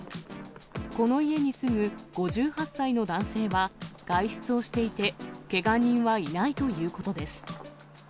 この家に住む５８歳の男性は外出をしていて、けが人はいないということです。